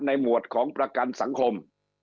หมวดของประกันสังคม